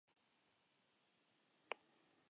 Guk sortzen ditugu gure gurasoak.